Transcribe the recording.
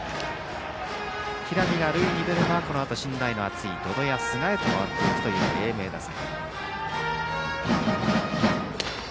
平見が塁に出れば、このあと信頼の厚い百々や寿賀へと回っていく英明打線。